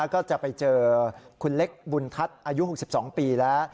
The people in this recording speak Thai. ก็จะไปเจอคุณเล็กบุญทัศน์อายุ๖๒ปีแล้ว